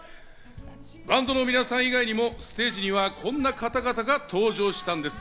バンドの皆さん以外にもステージにはこんな方々が登場したんです。